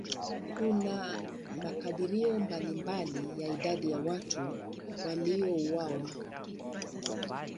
Kuna makadirio mbalimbali ya idadi ya watu waliouawa.